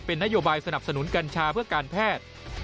เป็นนโยบายสนับสนุนกัญชาเพื่อการแพทย์